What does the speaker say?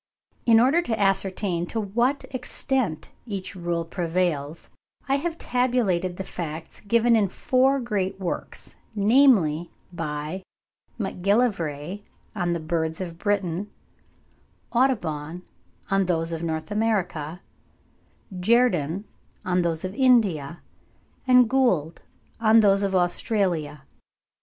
In order to ascertain to what extent each rule prevails, I have tabulated the facts given in four great works, namely, by Macgillivray on the birds of Britain, Audubon on those of North America, Jerdon on those of India, and Gould on those of Australia.